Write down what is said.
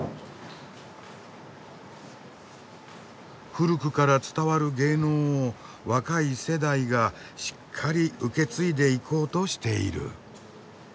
古くから伝わる芸能を若い世代がしっかり受け継いでいこうとしている。